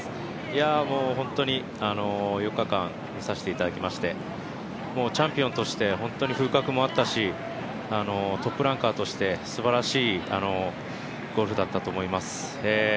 本当に４日間見させていただきまして、チャンピオンとして風格もあったしトップランカーとしてすばらしいゴルフだったと思います。